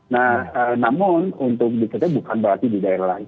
nah namun untuk diketahui bukan berarti di daerah lain